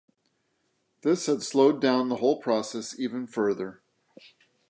This had slowed down the whole process even further.